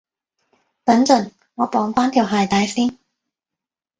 等陣，我綁返條鞋帶先